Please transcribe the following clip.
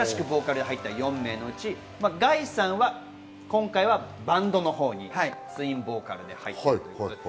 新しくボーカルで入った４名のうちＧａｉさんは今回はバンドのほうにツインボーカルで入っています。